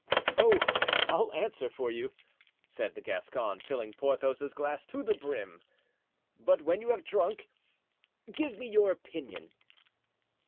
"Oh, I'll answer for you," said the Gascon, filling Porthos's glass to the brim; "but when you have drunk, give me your opinion."